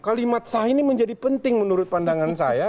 kalimat sah ini menjadi penting menurut pandangan saya